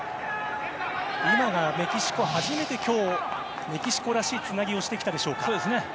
今のが、メキシコ初めてメキシコらしいつなぎをしてきたでしょうか。